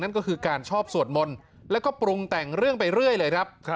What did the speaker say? ก็คือการชอบสวดมนต์แล้วก็ปรุงแต่งเรื่องไปเรื่อยเลยครับ